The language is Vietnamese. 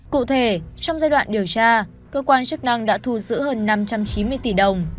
cụ thể trong giai đoạn điều tra cơ quan chức năng đã thu giữ hơn năm trăm chín mươi tỷ đồng